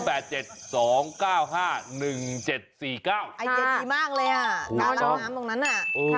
ไอ้เจ็ดดีมากเลยอ่ะกาลักน้ำตรงนั้นอ่ะ